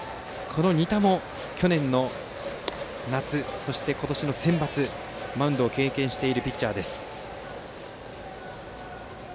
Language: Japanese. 仁田も、去年の夏そして今年のセンバツでマウンドを経験しているピッチャーです。